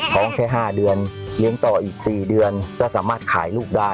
แค่๕เดือนเลี้ยงต่ออีก๔เดือนก็สามารถขายลูกได้